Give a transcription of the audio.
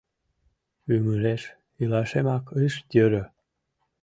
Ӱмыреш илашемак ыш йӧрӧ.